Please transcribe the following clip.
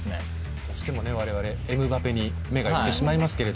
どうしても我々はエムバペに目がいってしまいますけど。